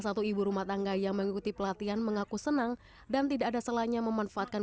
satu ibu rumah tangga yang mengikuti pelatihan mengaku senang dan tidak ada salahnya memanfaatkan